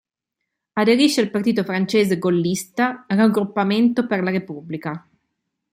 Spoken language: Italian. Aderisce il partito francese gollista Raggruppamento per la Repubblica.